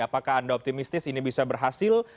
apakah anda optimistis ini bisa berhasil